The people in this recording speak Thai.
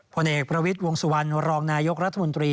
ผลเอกประวิทย์วงสุวรรณรองนายกรัฐมนตรี